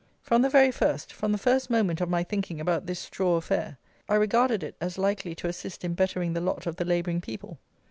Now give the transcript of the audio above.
From the very first, from the first moment of my thinking about this straw affair, I regarded it as likely to assist in bettering the lot of the labouring people.